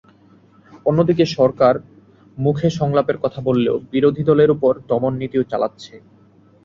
অন্যদিকে সরকার মুখে সংলাপের কথা বললেও বিরোধী দলের ওপর দমননীতিও চালাচ্ছে।